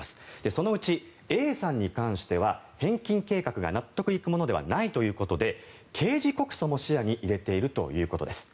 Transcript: そのうちＡさんに関しては返金計画が納得いくものではないということで刑事告訴も視野に入れているということです。